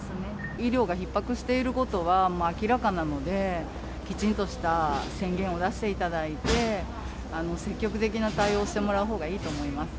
医療がひっ迫していることはもう明らかなので、きちんとした宣言を出していただいて、積極的な対応をしてもらうほうがいいと思います。